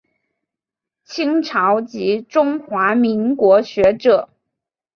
清朝及中华民国学者。